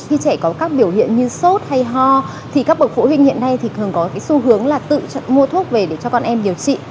khi trẻ có các biểu hiện như sốt hay ho thì các bậc phụ huynh hiện nay thì thường có cái xu hướng là tự chọn mua thuốc về để cho con em điều trị